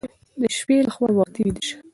د شپې لخوا وختي ویده شئ.